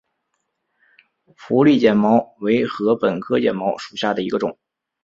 佛利碱茅为禾本科碱茅属下的一个种。